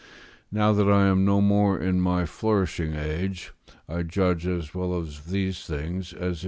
Now that I am no more in my flourishing age, I judge as well of these things as if I were.